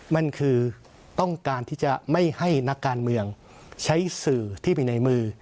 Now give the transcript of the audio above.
มันคือต้องการที่จะไม่ให้นักการเมืองใช้สื่อที่ไปในมือ